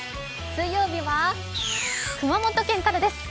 水曜日は熊本県からです。